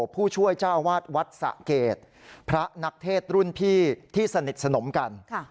ผู้ช่วยเจ้าอาวาสวัดสะเกดพระนักเทศรุ่นพี่ที่สนิทสนมกัน